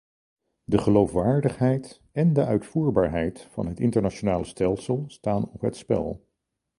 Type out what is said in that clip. De geloofwaardigheid en de uitvoerbaarheid van het internationale stelsel staan op het spel.